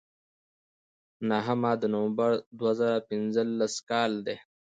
نهمه د نومبر دوه زره پینځلس کال دی.